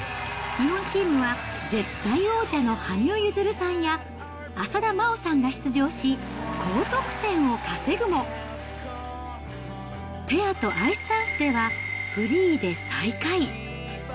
日本チームは絶対王者の羽生結弦さんや浅田真央さんが出場し、高得点を稼ぐも、ペアとアイスダンスではフリーで最下位。